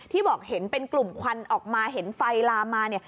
บอกเห็นเป็นกลุ่มควันออกมาเห็นไฟลามมาเนี่ย